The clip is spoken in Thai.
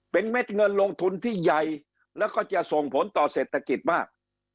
เป็นเม็ดเงินลงทุนที่ใหญ่แล้วก็จะส่งผลต่อเศรษฐกิจมาก